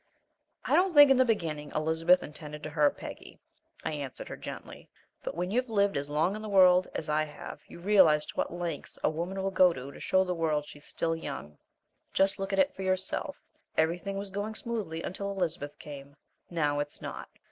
"I don't think in the beginning Elizabeth intended to hurt Peggy," I answered her, gently, "but when you've lived as long in the world as I have you'll realize to what lengths a woman will go to show the world she's still young. Just look at it for yourself. Everything was going smoothly until Elizabeth came. Now it's not.